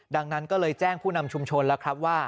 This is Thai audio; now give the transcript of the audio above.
ดังนั้นก็เลยแจ้งผู้นำชุมชนแล้วครับว่า